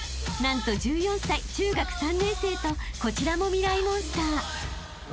［何と１４歳中学３年生とこちらもミライ☆モンスター］